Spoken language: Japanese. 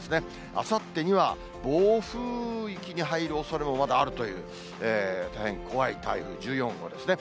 あさってには暴風域に入るおそれもまだあるという、大変怖い台風１４号ですね。